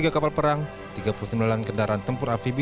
tiga puluh tiga kapal perang tiga puluh sembilan kendaraan tempur afibi